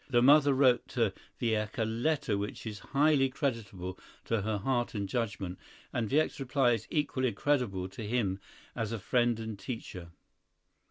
The mother wrote to Wieck a letter which is highly creditable to her heart and judgment, and Wieck's reply is equally creditable to him as a friend and teacher.